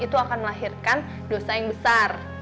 itu akan melahirkan dosa yang besar